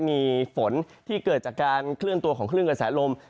มีฝนที่เกิดจากการเคลื่อนตัวของคลื่นกระแสลม